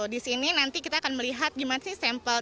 di sini nanti kita akan melihat gimana sih sampel